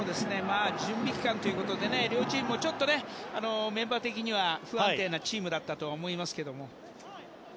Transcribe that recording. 準備期間ということで両チームも、ちょっとメンバー的には不安定なチームだったと思いますが。